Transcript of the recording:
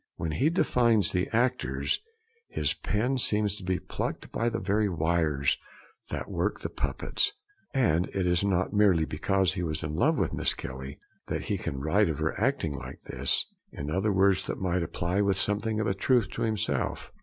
When he defines the actors, his pen seems to be plucked by the very wires that work the puppets. And it is not merely because he was in love with Miss Kelly that he can write of her acting like this, in words that might apply with something of truth to himself.